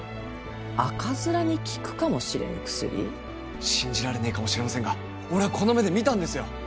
赤面に効くかもしれぬ薬？信じられねえかもしれませんが俺ぁこの目で見たんですよ！